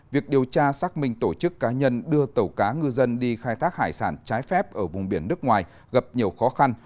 việc điều tra xác minh tổ chức cá nhân đưa tàu cá ngư dân đi khai thác hải sản trái phép ở vùng biển nước ngoài gặp nhiều khó khăn